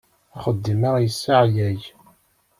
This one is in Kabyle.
Axeddim-a yesseɛyay.